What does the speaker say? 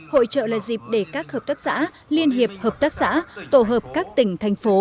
hội trợ là dịp để các hợp tác xã liên hiệp hợp tác xã tổ hợp các tỉnh thành phố